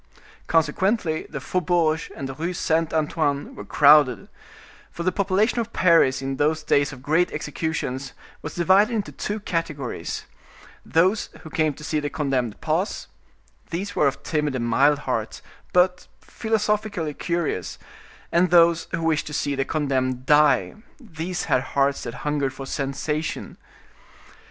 Consequently, the faubourg and the Rue Saint Antoine were crowded; for the population of Paris in those days of great executions was divided into two categories: those who came to see the condemned pass—these were of timid and mild hearts, but philosophically curious—and those who wished to see the condemned die—these had hearts that hungered for sensation.